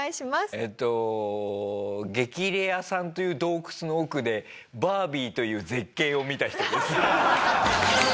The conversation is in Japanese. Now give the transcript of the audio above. えっと激レアさんという洞窟の奥でバービーという絶景を見た人です。